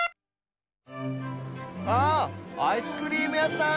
ああアイスクリームやさん。